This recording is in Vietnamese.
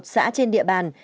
một mươi một xã trên địa bàn